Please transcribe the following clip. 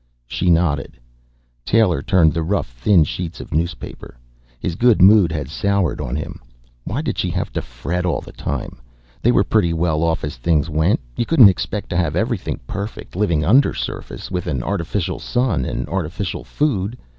She nodded. Taylor turned the rough, thin sheets of newspaper. His good mood had soured on him. Why did she have to fret all the time? They were pretty well off, as things went. You couldn't expect to have everything perfect, living undersurface, with an artificial sun and artificial food.